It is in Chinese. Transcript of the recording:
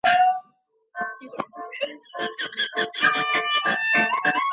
突尼斯原为奥斯曼帝国的一个省。